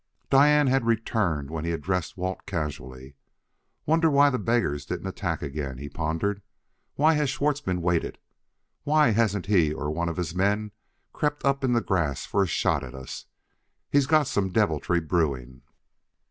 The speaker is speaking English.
Diane had returned when he addressed Walt casually. "Wonder why the beggars didn't attack again," he pondered. "Why has Schwartzmann waited; why hasn't he or one of his men crept up in the grass for a shot at us? He's got some deviltry brewing."